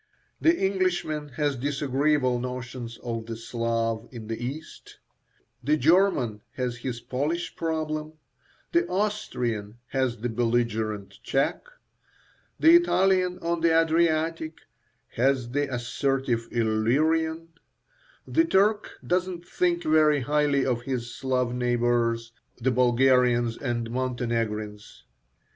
The Englishman has disagreeable notions of the Slav in the East, the German has his Polish problem, the Austrian has the belligerent Czech, the Italian on the Adriatic has the assertive Illyrian; the Turk doesn't think very highly of his Slav neighbours, the Bulgarians and Montenegrins.